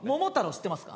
知ってますか？